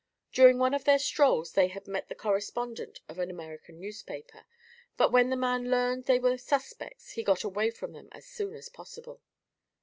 During one of their strolls they had met the correspondent of an American newspaper, but when the man learned they were suspects he got away from them as soon as possible.